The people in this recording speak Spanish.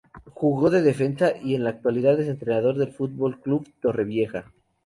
Jugó de defensa y en la actualidad es entrenador del Fútbol Club Torrevieja.